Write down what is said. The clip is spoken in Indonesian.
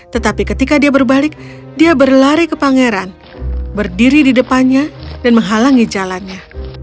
tetapi ketika dia berbalik dia berlari ke pangeran berdiri di depannya dan menghalangi jalannya